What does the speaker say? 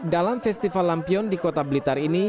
dalam festival lampion di kota blitar ini